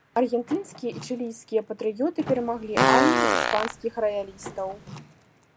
Аргентынскія і чылійскія патрыёты перамаглі армію іспанскіх раялістаў.